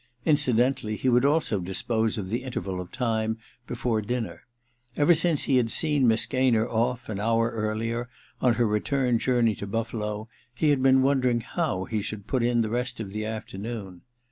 Incidentally, he would also dispose of the interval of time before dinner : ever since he had seen Miss Gaynor oflF, an hour earlier, on her return journey to Buffalo, he had been wondering how he should put in the rest of the afternoon.